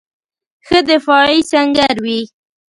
ښه دفاعي سنګر وي.